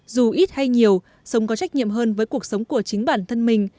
dù ít hay nhiều sống có trách nhiệm hơn với cuộc sống của chính bản thân mình